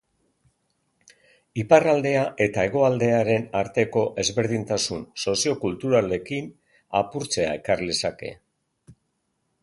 Iparraldea eta hegoaldearen arteko ezberdintasun soziokulturalekin apurtzea ekar lezake.